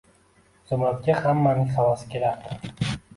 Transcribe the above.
Zumradga hammaning havasi kelardi.